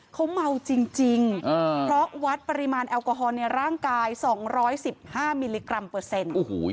เขาเมาจริงเพราะวัดปริมาณแอลกอฮอลในร่างกาย๒๑๕มิลลิกรัมเปอร์เซ็นต์